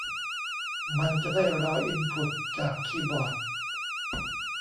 มันจะได้รออินพุตจากคีย์บอร์ด